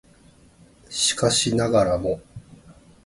しかしながらも